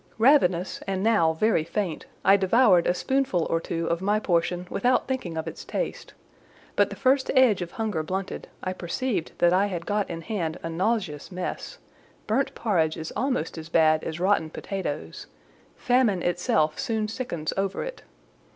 Ravenous, and now very faint, I devoured a spoonful or two of my portion without thinking of its taste; but the first edge of hunger blunted, I perceived I had got in hand a nauseous mess; burnt porridge is almost as bad as rotten potatoes; famine itself soon sickens over it.